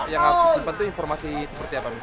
yang harus disimpan itu informasi seperti apa